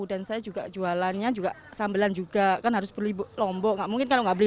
dan saya juga jualannya juga sambilan juga kan harus beli lombok nggak mungkin kalau nggak beli